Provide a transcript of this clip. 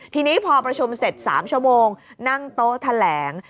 ทีนี้พอประชุมเสร็จ๓ชั่วโมงนั่งโต๊ะแถลง